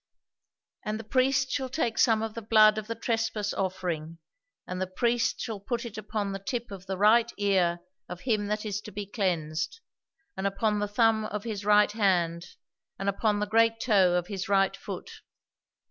"'And the priest shall take some of the blood of the trespass offering, and the priest shall put it upon the tip of the right ear of him that is to be cleansed, and upon the thumb of his right hand, and upon the great toe of his right foot.